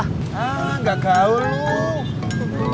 ah gak tau lu